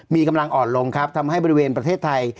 มีกำลังอ่อนลงครับทำให้บริเวณประเทศไทย